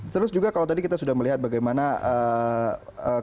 terus juga kalau tadi kita sudah melihat bagaimana kondisi